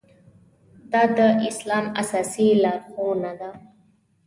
دا د اسلام اساسي لارښوونه ده.